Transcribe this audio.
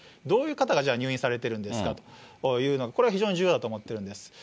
どういう方が入院されてるんですかというのが、これは非常に重要だと思っているんです。